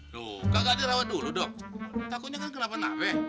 duh kagak dirawat dulu dok takutnya kan kenapa nape